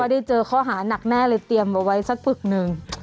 ได้เจอข้อหาหนักแน่เลยเตรียมไว้รึยังไง